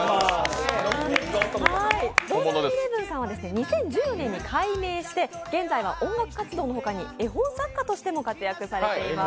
ＤＯＺＡＮ１１さんは２０１４年に改名して現在は音楽活動のほかに絵本作家としても活躍されています。